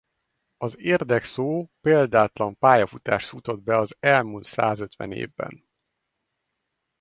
Az érdek szó példátlan pályafutást futott be az elmúlt százötven évben.